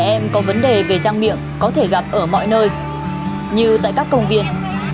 trẻ em có vấn đề về răng miệng có thể gặp ở mọi nơi như tại các công viên